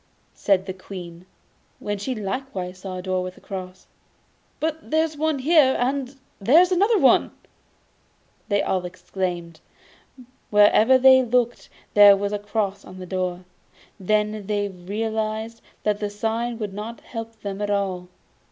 said the Queen, when she likewise saw a door with a cross. 'But here is one, and there is another!' they all exclaimed; wherever they looked there was a cross on the door. Then they realised that the sign would not help them at all.